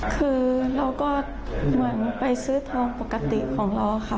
คือเราก็เหมือนไปซื้อทองปกติของเราค่ะ